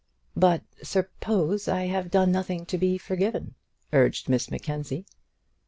"But suppose I have done nothing to be forgiven," urged Miss Mackenzie.